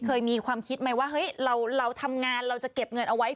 เคยมีความคิดไหมว่าเฮ้ยเราทำงานเราจะเก็บเงินเอาไว้